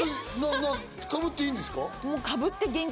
かぶっていいですか？